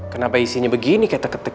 kenapa isinya begini kayak teketeki